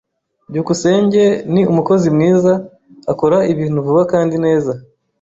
byukusenge ni umukozi mwiza. Akora ibintu vuba kandi neza.